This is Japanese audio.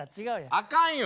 あかんよ。